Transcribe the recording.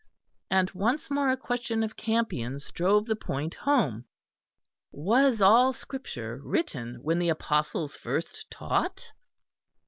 And once more a question of Campion's drove the point home. "Was all Scripture written when the Apostles first taught?"